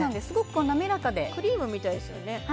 すごくなめらかでクリームみたいですよね